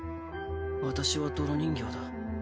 私は泥人形だ。